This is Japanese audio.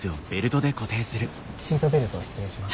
シートベルトを失礼します。